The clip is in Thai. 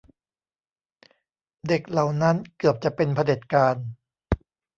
เด็กเหล่านั้นเกือบจะเป็นเผด็จการ